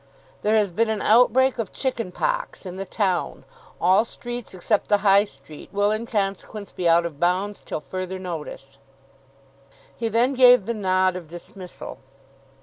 "There has been an outbreak of chicken pox in the town. All streets except the High Street will in consequence be out of bounds till further notice." He then gave the nod of dismissal.